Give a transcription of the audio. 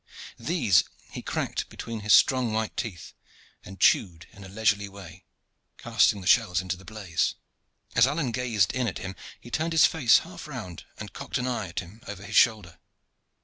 These he cracked between his strong white teeth and chewed in a leisurely way, casting the shells into the blaze. As Alleyne gazed in at him he turned his face half round and cocked an eye at him over his shoulder.